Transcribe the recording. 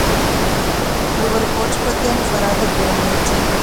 ކުޅިވަރު ކޯޗުކޮށްދޭނެ ފަރާތެއް ބޭނުންވެއްޖެ